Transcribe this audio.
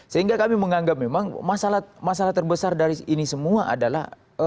sehingga kami menganggap memang masalah terbesar dari ini semua adalah